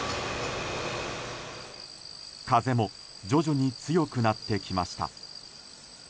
風も徐々に強くなってきました。